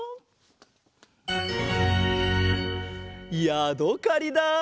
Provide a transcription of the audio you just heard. やどかりだ！